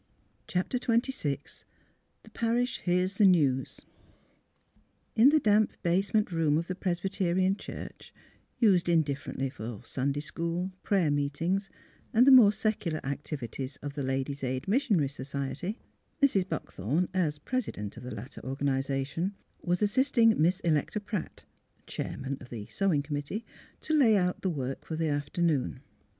CHAPTER XXVI THE PARISH HEARS THE NEWS In the damp basement room of the Presbyterian church, used indifferently for Sunday school, prayer meetings, and the more secular activities of " The Ladies' Aid and Missionary Society," Mrs. Buckthorn, as president of the latter organisation, was assisting Miss Electa Pratt (chairman of the Sewing Committee) to lay out the work for the afternoon.